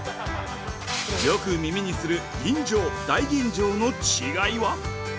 よく耳にする吟醸、大吟醸の違いは？